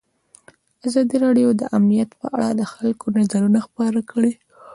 ازادي راډیو د امنیت په اړه د خلکو نظرونه خپاره کړي.